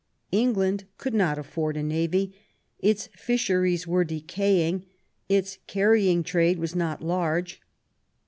England could not afford a navy ; its fisheries were decaying, its carrying trade was not large.